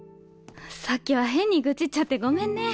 さっきは変に愚痴っちゃってごめんね。